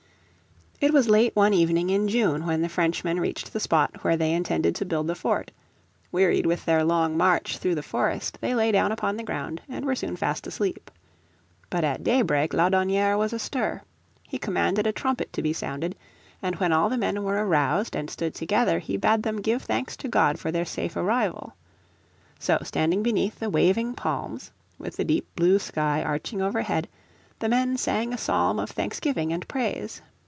It was late one evening in June when the Frenchmen reached the spot where they intended to build the fort; wearied with their long march through the forest they lay down upon the ground and were soon fast asleep. But at day break Laudonnière was astir. He commanded a trumpet to be sounded, and when all the men were aroused and stood together he bade them give thanks to God for their safe arrival. So standing beneath the waving palms, with the deep blue sky arching overhead, the men sang a psalm of thanksgiving and praise.